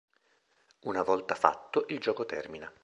Una volta fatto, il gioco termina.